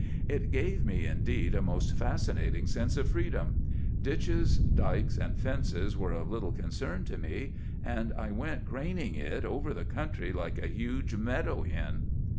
It gave me, indeed, a most fascinating sense of freedom. Ditches, dikes, and fences were of small concern to me, and I went craning it over the country like a huge meadow hen.